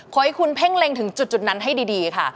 ขอให้คุณเพ่งเล็งถึงจุดนั้นให้ดีค่ะ